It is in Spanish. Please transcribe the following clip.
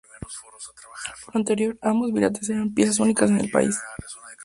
Por lo anterior, ambos vitrales eran piezas únicas en el país.